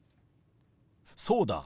そうだ。